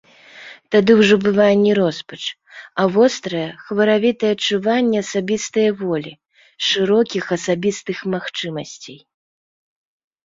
Тады ўжо бывае не роспач, а вострае, хваравітае адчуванне асабістае волі, шырокіх асабістых магчымасцей.